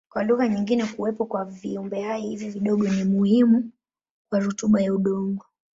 Kwa lugha nyingine kuwepo kwa viumbehai hivi vidogo ni muhimu kwa rutuba ya udongo.